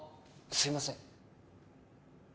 すいません